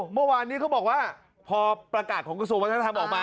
เมื่อวานนี้เขาบอกว่าพอประกาศของกระทรวงวัฒนธรรมออกมา